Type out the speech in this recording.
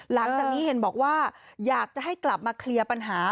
หลังจากนี้เห็นบอกว่าอยากจะให้กลับมาเคลียร์ปัญหา